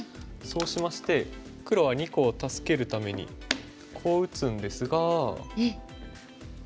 そうしまして黒は２個を助けるためにこう打つんですが。